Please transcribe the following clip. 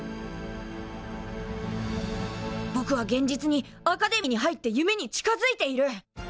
ぼくは現実にアカデミーに入って夢に近づいている。